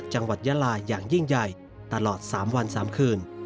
จังหวัดยาลาอย่างยิ่งใหญ่ตลอดสามวันสามคืน